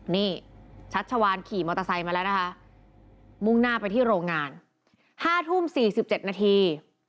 นี่ชัชวานขี่มอเตอร์ไซค์มาแล้วนะคะมุ่งหน้าไปที่โรงงาน๕ทุ่ม๔๗นาที